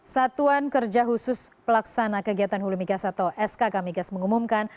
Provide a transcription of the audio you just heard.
satuan kerja khusus pelaksana kegiatan hulu migas atau skk migas mengumumkan